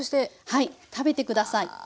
はい食べて下さい。